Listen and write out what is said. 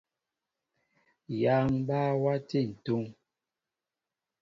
Yááŋ mbaa wati ntúŋ.